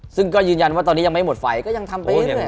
ซึ่งก็ยืนยันว่าตอนนี้ยังไม่หมดไฟก็ยังทำไป